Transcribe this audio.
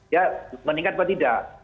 ya meningkat atau tidak